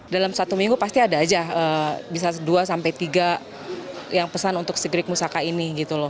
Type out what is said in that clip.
dalam satu minggu pasti ada saja bisa dua sampai tiga yang pesan untuk segerik mausaka ini